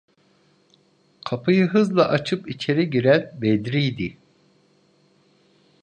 Kapıyı hızla açıp içeri giren Bedri’ydi.